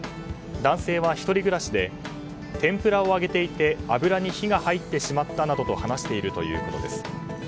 男性は１人暮らしで天ぷらを揚げていて油に火が入ってしまったなどと話しているということです。